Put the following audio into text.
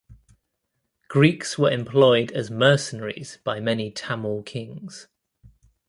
Greeks were employed as mercenaries by many Tamil kings.